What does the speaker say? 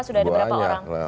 sudah ada berapa orang